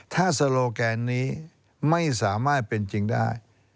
ถ้าโซโลแกนนี้ไม่สามารถเป็นจริงได้